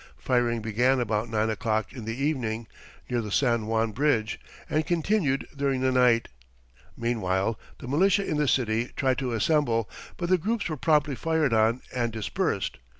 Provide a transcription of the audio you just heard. Firing began about nine o'clock in the evening, near the San Juan bridge, and continued during the night. Meanwhile, the militia in the city tried to assemble, but the groups were promptly fired on and dispersed.